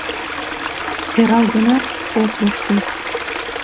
Сӧрал гынат, ок воштыл.